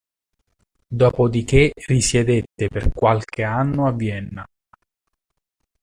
Dopodiché risiedette per qualche anno a Vienna.